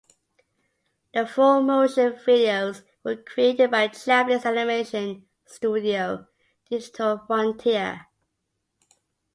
The full-motion videos were created by Japanese animation studio Digital Frontier.